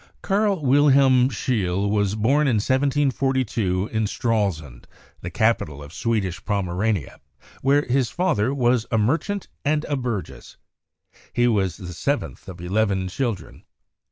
Carl Wilhelm Scheele was born in 1742 in Stralsund, the capital of Swedish Pomerania, where his father was a merchant and a burgess. He was the seventh of eleven children.